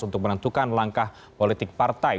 untuk menentukan langkah politik partai